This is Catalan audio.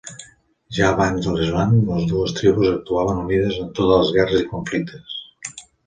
Ja abans de l'islam les dues tribus actuaven unides en totes les guerres i conflictes.